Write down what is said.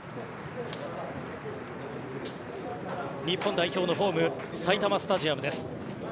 日本代表のホーム埼玉スタジアムです。